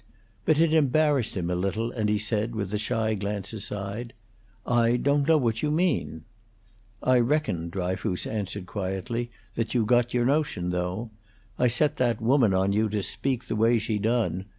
But it embarrassed him a little, and he said, with a shy glance aside, "I don't know what you mean." "I reckon," Dryfoos answered, quietly, "you got your notion, though. I set that woman on to speak to you the way she done.